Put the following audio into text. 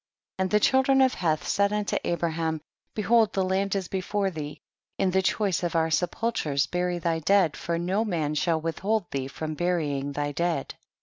And the children of Heth said unto Abraham, behold the land is before thee, in the choice of our se pulchres bury thy dead, for no man shall withhold thee from burying thy dead.